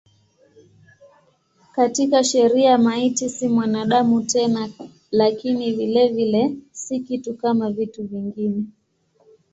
Katika sheria maiti si mwanadamu tena lakini vilevile si kitu kama vitu vingine.